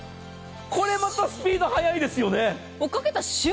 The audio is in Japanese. これまたスピード速いですよね。